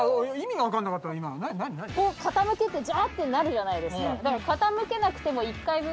傾けてジャってなるじゃないですかだから。